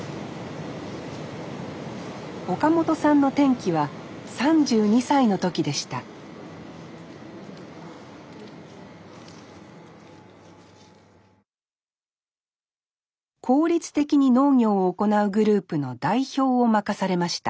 岡本さんの転機は３２歳の時でした効率的に農業を行うグループの代表を任されました。